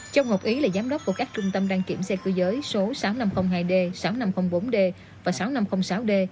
châu ngọc ý là giám đốc của các trung tâm đăng kiểm xe cơ giới số sáu nghìn năm trăm linh hai d sáu nghìn năm trăm linh bốn d và sáu nghìn năm trăm linh sáu d